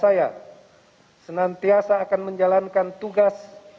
saya bersumpah bahwa saya akan menjalankan tugas ini